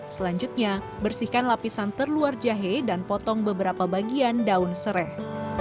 selanjutnya bersihkan lapisan terluar jahe dan potong beberapa bagian daun serai